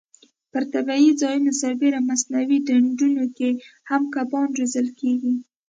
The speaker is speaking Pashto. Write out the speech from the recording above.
پر طبیعي ځایونو سربېره مصنوعي ډنډونو کې هم کبان روزل کېږي.